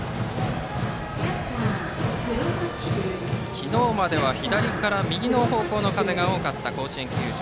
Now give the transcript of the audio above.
昨日までは左から右方向の風が多かった甲子園球場。